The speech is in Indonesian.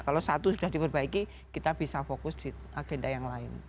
kalau satu sudah diperbaiki kita bisa fokus di agenda yang lain